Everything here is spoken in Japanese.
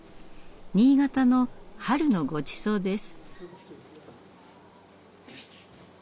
新潟の春のごちそうです。